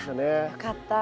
よかった。